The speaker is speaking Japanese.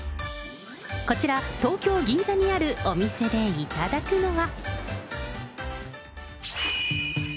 こちら、東京・銀座にあるお店で頂くのは。